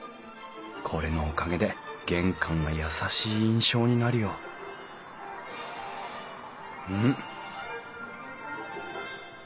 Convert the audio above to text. これのおかげで玄関が優しい印象になるよん？